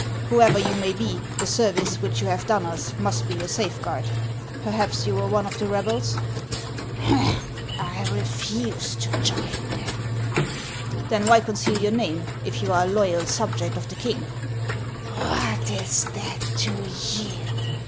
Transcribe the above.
Whoever you may be, the service which you have done us must be your safeguard. Perhaps you were one of the rebels ?"" I refused to join them." " Then why conceal your name, if you are a loyal subject of the king ?"" What is that to you